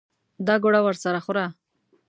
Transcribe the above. دا ګوړه ورسره خوره.